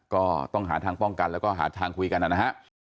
ก็ต้องหาทางป้องกันแล้วก็หาทางคุยกันนะฮะ